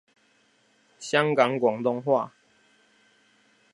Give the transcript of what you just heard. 香港廣東話